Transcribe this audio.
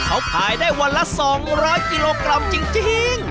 เขาขายได้วันละ๒๐๐กิโลกรัมจริง